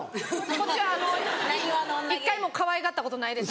こっちあの一回もかわいがったことないです。